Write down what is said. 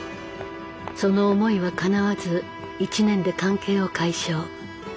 その思いはかなわず１年で関係を解消。